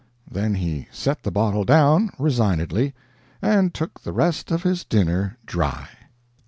Then he set the bottle down, resignedly, and took the rest of his dinner dry.